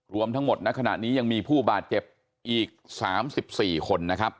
รวมทั้งหมดในขณะนี้ยังมีผู้บาดเจ็บอีก๓๔คนนะครับ